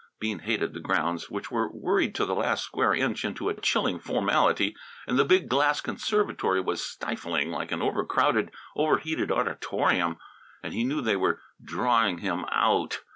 Bean hated the grounds, which were worried to the last square inch into a chilling formality, and the big glass conservatory was stifling, like an overcrowded, overheated auditorium. And he knew they were "drawing him out."